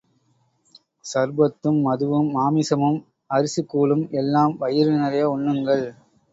சர்பத்தும், மதுவும், மாமிசமும் அரிசிக் கூழும் எல்லாம் வயிறு நிறைய உண்ணுங்கள்.